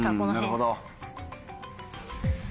なるほど！